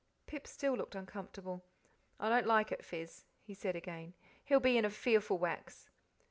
Pip still looked uncomfortable. "I don't like it, Fizz," he said again; "he'll be in a fearful wax."